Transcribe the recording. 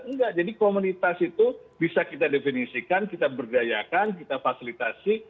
enggak jadi komunitas itu bisa kita definisikan kita berdayakan kita fasilitasi